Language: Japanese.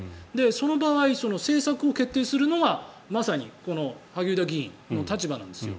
その場合、政策を決定するのがまさにこの萩生田議員の立場なんですよ。